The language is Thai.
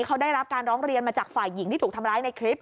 เขาได้รับการร้องเรียนมาจากฝ่ายหญิงที่ถูกทำร้ายในคลิป